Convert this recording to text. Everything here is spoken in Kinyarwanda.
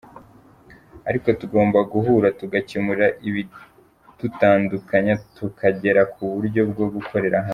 Ariko tugomba guhura, tugakemura ibidutandukanya tukagera ku buryo bwo gukorera hamwe.